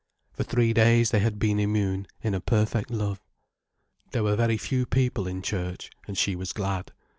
For three days they had been immune in a perfect love. There were very few people in church, and she was glad.